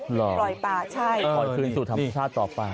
ปล่อยป่าใช่ปล่อยคืนสู่ธรรมชาติต่อไป